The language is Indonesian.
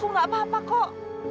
tuh gak apa apa kok